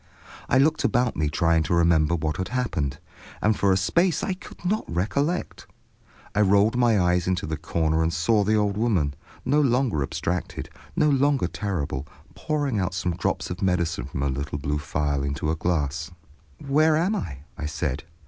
I looked about me trying to remember what had happened, and for a space I could not recollect. I rolled my eyes into the corner and saw the old woman, no longer abstracted, no longer terrible, pouring out some drops of medicine from a little blue phial into a glass. "Where am I?" I said.